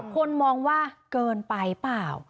คนมองว่าเกินไปเปล่า